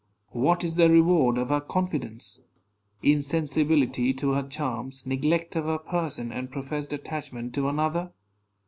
What is the reward of her confidence? Insensibility to her charms, neglect of her person, and professed attachment to another!